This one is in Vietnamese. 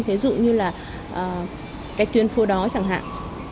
thế dụ như là cái tuyên phố đó chẳng hạn